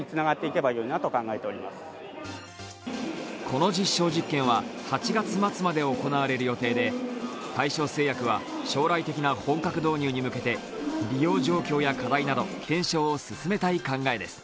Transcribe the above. この実証実験は８月末まで行われる予定で大正製薬は将来的な本格導入に向けて利用状況や課題など検証を進めたい考えです。